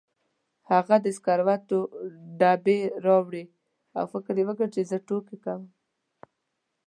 هغه د سګرټو ډبې راوړې او فکر یې وکړ چې زه ټوکې کوم.